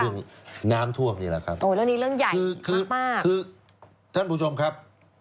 คือท่านผู้ชมครับ